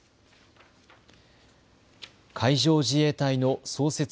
海上自衛隊の創設